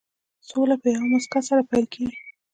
سوله په یوې موسکا سره پيل کېږي.